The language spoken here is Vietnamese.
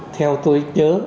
theo tôi nhớ